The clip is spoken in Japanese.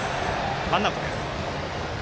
ワンアウトです。